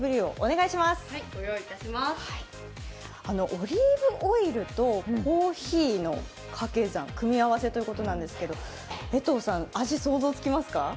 オリーブオイルとコーヒーのかけ算、組合わせということですが味、想像つきますか？